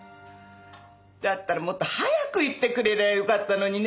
だったらもっと早く言ってくれりゃよかったのに。